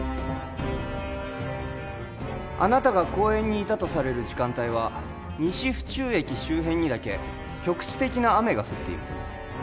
あなたが公園にいたとされる時間帯は西府中駅周辺にだけ局地的な雨が降っています